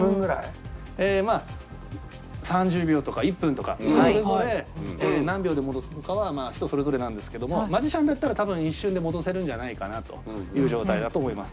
まあ３０秒とか１分とか人それぞれ何秒で戻すのかは人それぞれなんですけどもマジシャンだったら多分一瞬で戻せるんじゃないかなという状態だと思います。